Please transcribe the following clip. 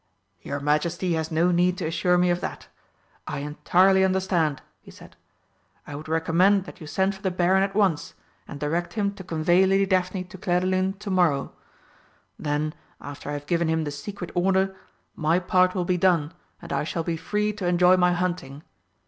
"Your Majesty has no need to assure me of that. I entirely understand," he said. "I would recommend that you send for the Baron at once, and direct him to convey Lady Daphne to Clairdelune to morrow. Then, after I have given him the secret order, my part will be done and I shall be free to enjoy my hunting."